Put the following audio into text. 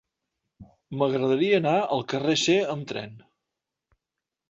M'agradaria anar al carrer C amb tren.